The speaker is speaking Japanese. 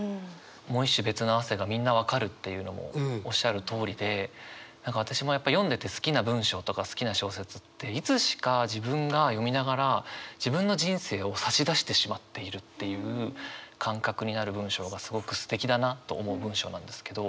「もう一種べつの汗」がみんな分かるっていうのもおっしゃるとおりで何か私もやっぱり読んでて好きな文章とか好きな小説っていつしか自分が読みながら自分の人生を差し出してしまっているっていう感覚になる文章がすごくすてきだなと思う文章なんですけど。